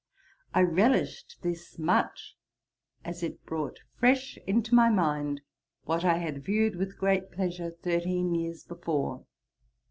I relished this much, as it brought fresh into my mind what I had viewed with great pleasure thirteen years before.